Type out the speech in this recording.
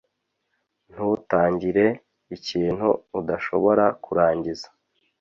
Ntutangire ikintu udashobora kurangiza.